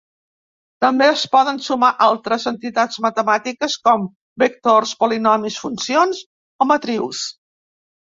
També es poden sumar altres entitats matemàtiques, com vectors, polinomis, funcions o matrius.